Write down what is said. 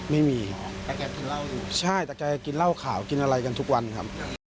ไม่มีครับแต่แกกินเหล้าอยู่ใช่แต่แกกินเหล้าขาวกินอะไรกันทุกวันครับ